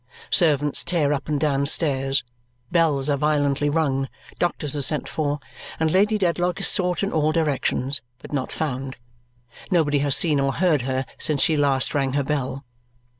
Servants tear up and down stairs, bells are violently rung, doctors are sent for, and Lady Dedlock is sought in all directions, but not found. Nobody has seen or heard her since she last rang her bell.